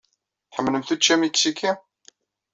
Tḥemmlemt učči amiksiki?